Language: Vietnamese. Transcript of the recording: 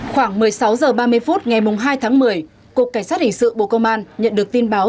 khoảng một mươi sáu h ba mươi phút ngày hai tháng một mươi cục cảnh sát hình sự bộ công an nhận được tin báo